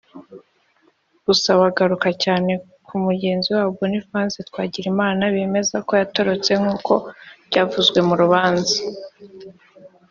Gusa bagaruka cyane kuri mugenzi wabo Boniface Twagirimana bemeza ko atatorotse nk’uko byavuzwe mu rubanza